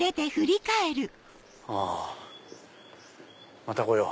あまた来よう。